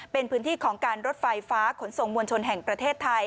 เป็นพื้นที่ของการรถไฟฟ้าขนส่งมวลชนแห่งประเทศไทย